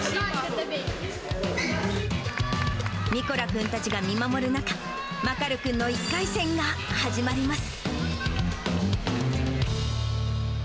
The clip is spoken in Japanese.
ミコラ君たちが見守る中、マカル君の１回戦が始まります。